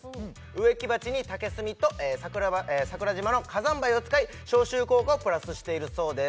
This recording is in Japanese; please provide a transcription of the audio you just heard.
植木鉢に竹炭と桜島の火山灰を使い消臭効果をプラスしているそうです